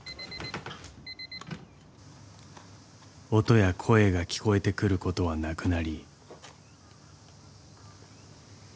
［音や声が聞こえてくることはなくなり］